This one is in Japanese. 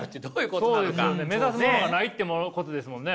そうですよね目指すものがないってことですもんね。